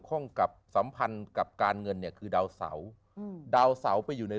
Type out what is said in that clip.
ข้องกับสัมพันธ์กับการเงินเนี่ยคือดาวเสาอืมดาวเสาไปอยู่ใน